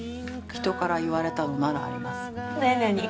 人から言われたのならあります何何？